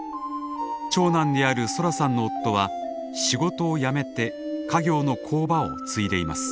長男であるソラさんの夫は仕事を辞めて家業の工場を継いでいます。